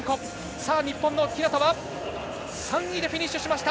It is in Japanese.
さあ日本の日向は３位でフィニッシュしました。